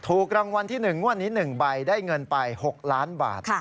ถูกรางวัลที่๑งวดนี้๑ใบได้เงินไป๖ล้านบาท